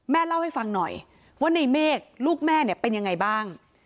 เล่าให้ฟังหน่อยว่าในเมฆลูกแม่เนี่ยเป็นยังไงบ้าง